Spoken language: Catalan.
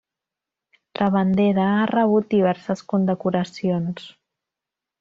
La bandera ha rebut diverses condecoracions.